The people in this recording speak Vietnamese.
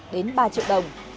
đến ba triệu đồng